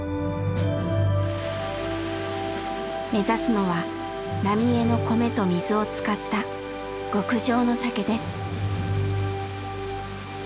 目指すのは浪江の米と水を使った極上の酒です。